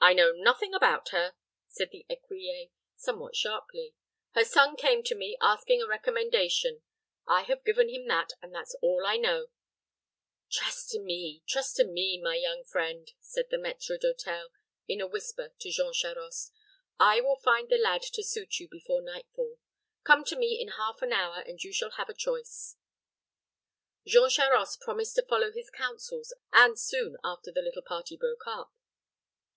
"I know nothing about her," said the écuyer, somewhat sharply. "Her son came to me, asking a recommendation. I have given him that, and that's all I know." "Trust to me, trust to me, my young friend," said the maître d'hôtel, in a whisper, to Jean Charost. "I will find the lad to suit you before nightfall. Come to me in half an hour, and you shall have a choice." Jean Charost promised to follow his counsels, and soon after the little party broke up.